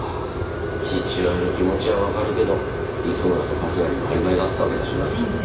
父親の気持ちはわかるけど磯村と春日にはアリバイがあったわけだしな。